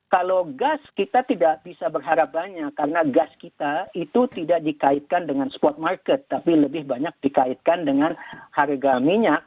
kalau gas kita tidak bisa berharap banyak karena gas kita itu tidak dikaitkan dengan spot market tapi lebih banyak dikaitkan dengan harga minyak